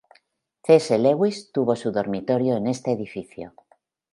C. S. Lewis tuvo su dormitorio en este edificio.